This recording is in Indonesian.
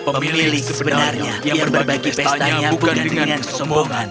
pemilih sebenarnya yang berbagi pestanya bukan dengan kesombongan